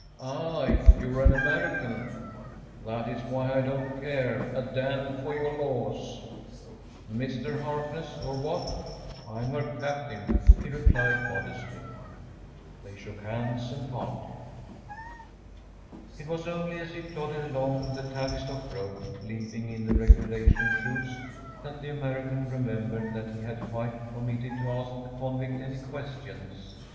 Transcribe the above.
“Ah! you are an American?‚ÄĚ “That is why I don't care a d n for your laws.‚ÄĚ “MR. Harkness or what?‚ÄĚ “I'm her captain,‚ÄĚ he replied modestly. They shook hands and parted. It was only as he plodded along the Tavistock Road, limping in the regulation shoes, that the American remembered that he had quite omitted to ask the convict any questions.